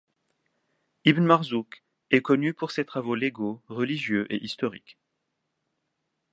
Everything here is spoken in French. Ibn Marzuq est connu pour ses travaux légaux, religieux et historiques.